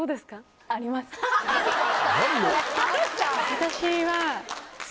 私は。